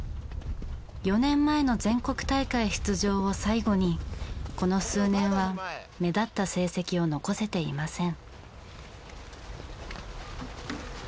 ４年前の全国大会出場を最後にこの数年は目立った成績を残せていません。